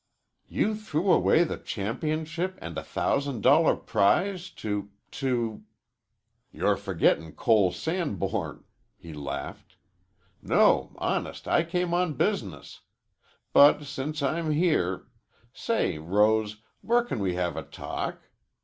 "You threw away the championship and a thousand dollar prize to to " "You're forgettin' Cole Sanborn," he laughed. "No, honest, I came on business. But since I'm here say, Rose, where can we have a talk?